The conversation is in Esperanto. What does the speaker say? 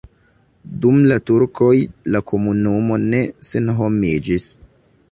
Dum la turkoj la komunumo ne senhomiĝis.